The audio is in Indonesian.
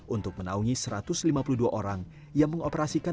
untuk menaungi satu ratus lima puluh dua orang yang mengoperasikan tiga ratus tiga puluh dua